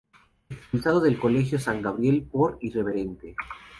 Expulsado del Colegio San Gabriel por irreverente.